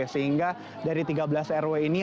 sehingga dari tiga belas rw ini